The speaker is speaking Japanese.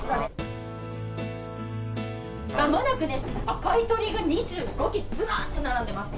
まもなくね赤い鳥居が２５基ずらっと並んでます。